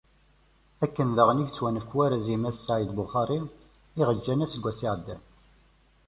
Akken daɣen i yettwanefk warraz i Mass Saεid Buxari i aɣ-yeǧǧan aseggas iɛeddan.